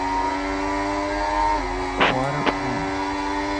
وار ڦڙائي.